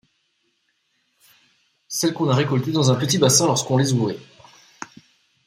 Celle qu’on a récoltée dans un petit bassin lorsqu’on les ouvrait.